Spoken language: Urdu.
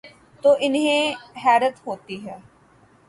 تو انہیں حیرت ہو تی ہے۔